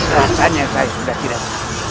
rasanya saya sudah tidak